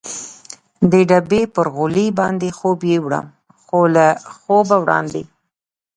د ډبې پر غولي باندې خوب یووړم، خو له خوبه وړاندې.